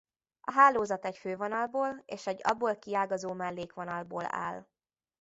A hálózat egy fővonalból és egy abból kiágazó mellékvonalból áll.